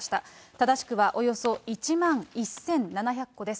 正しくはおよそ１万１７００戸です。